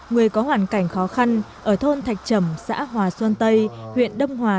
ba mươi người có hoàn cảnh khó khăn ở thôn thạch trẩm xã hòa xuân tây huyện đông hòa